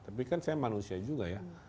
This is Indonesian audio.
tapi kan saya manusia juga ya